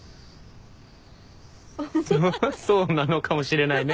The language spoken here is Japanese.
そそうなのかもしれないね。